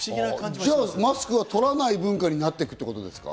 じゃあ、マスクは取らない文化になってくってことですか？